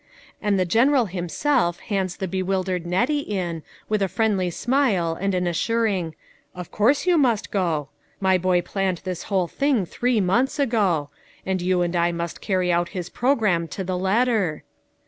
And the General himself hands the bewildered Nettie in, with a friendly smile and an assuring :" Of course you must go. My THE CROWNING WONDEB. 417 boy planned this whole thing three months ago ; and you and I must carry out his programme to the letter."